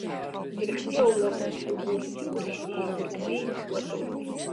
Диркьти авлахъуни, дубурти, урхьни, хӀуркӀби, вацӀурби .